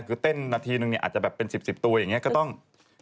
คือเต้นนาทีนึงเนี่ยอาจจะแบบเป็น๑๐ตัวอย่างนี้ก็ต้อง